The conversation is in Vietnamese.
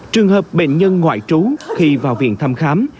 trường hợp bệnh nhân ngoại trú khi vào viện thăm khám